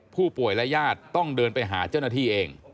ผู้ป่วยและญาติต้องเดินไปหาเจ้าหน้าที่เอง